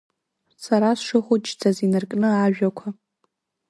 Сара сшыхәыҷӡаз инаркны ажәақәа…